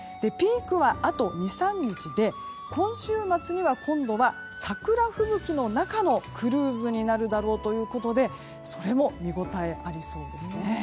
ピークは、あと２３日で今週末には今度は桜吹雪の中のクルーズになるだろうということでそれも見応えありそうですね。